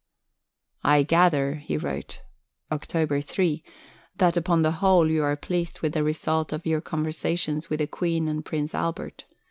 "I gather," he wrote (Oct. 3), "that upon the whole you are pleased with the result of your conversations with the Queen and Prince Albert.